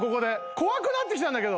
怖くなってきたんだけど。